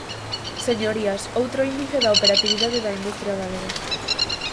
Señorías, outro índice da operatividade da industria galega.